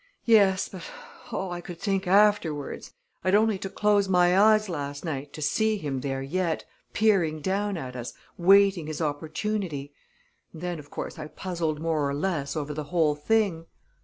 "Yes but, oh, I could think afterwards! I'd only to close my eyes, last night, to see him there yet, peering down at us, waiting his opportunity. And then, of course, I puzzled more or less, over the whole thing."